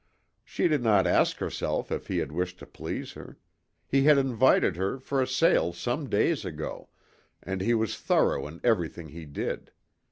She did not ask herself if he had wished to please her; he had invited her for a sail some days ago, and he was thorough in everything he did.